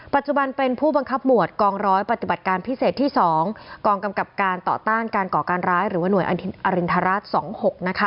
ปัจจุบันเป็นผู้บังคับหมวดกองร้อยปฏิบัติการพิเศษที่๒กองกำกับการต่อต้านการก่อการร้ายหรือว่าหน่วยอรินทราช๒๖นะคะ